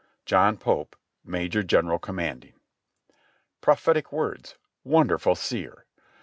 "John Pope, "Major General Commanding." Prophetic words ! Wonderful seer !